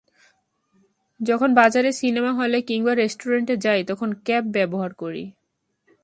যখন বাজারে, সিনেমা হলে কিংবা রেস্টুরেন্টে যাই, তখনই ক্যাপ ব্যবহার করি।